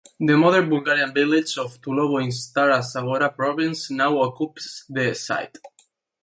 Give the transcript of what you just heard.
The modern Bulgarian village of Tulovo in Stara Zagora Province now occupies the site.